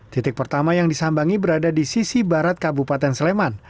titik pertama yang disambangi berada di sisi barat kabupaten sleman